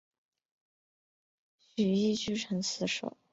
徐揖据城死守。